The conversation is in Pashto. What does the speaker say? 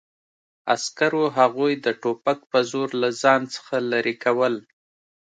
عسکرو هغوی د ټوپک په زور له ځان څخه لرې کول